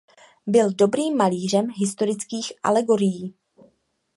Byl dobrým malířem historických alegorií.